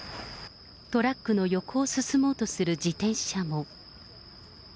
トラックの横を進もうとする自転車も。